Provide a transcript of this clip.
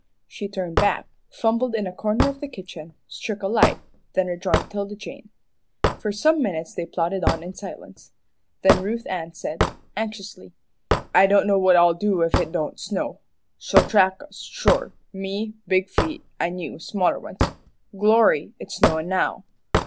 She turned back, fumbled in a corner of the kitchen, struck a light, then rejoined 'Tilda Jane. For some minutes they plodded on in silence. Then Ruth Ann said, anxiously, "I don' know what I'll do if it don't snow. She'll track us sure me, big feet, an' you, smaller ones. Glory, it's snowin' now!"